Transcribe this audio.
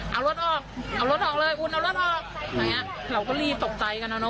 เอารถออกเอารถออกเลยคุณเอารถออกอย่างเงี้ยเราก็รีบตกใจกันนะเน